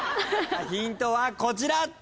ヒントはこちら。